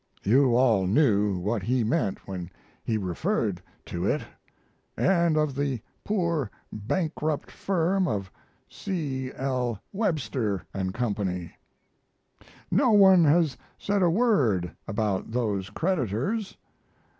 You all knew what he meant when he referred to it, & of the poor bankrupt firm of C. L. Webster & Co. No one has said a word about those creditors.